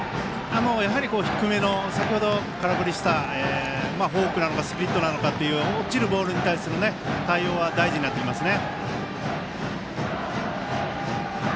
やはり、低めの先ほど空振りしたフォークなのかスプリットなのか落ちるボールに対する対応は大事になってきますね。